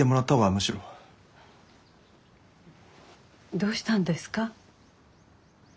どうしたんですか？